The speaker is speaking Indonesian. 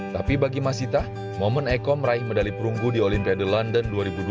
tapi bagi masita momen eko meraih medali perunggu di olimpiade london dua ribu dua belas